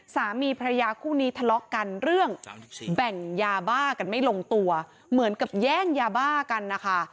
สามีพระยาคู่นี้ทะเลาะกันเรื่องแบ่งยาบ้ากันไม่ลงตัวเหมือนกับแย่งยาบ้ากันนะคะ